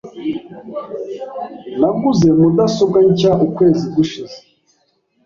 Naguze mudasobwa nshya ukwezi gushize .